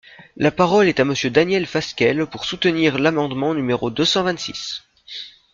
La parole est à Monsieur Daniel Fasquelle, pour soutenir l’amendement numéro deux cent vingt-six.